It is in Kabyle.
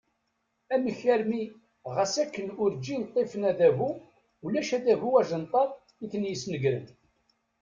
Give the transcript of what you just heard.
Amek armi ɣas akken urǧin ṭṭifen adabu, ulac adabu ajenṭaḍ i ten-yesnegren.